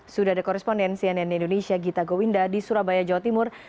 sudah ada koresponden cnn indonesia gita gowinda di surabaya jawa timur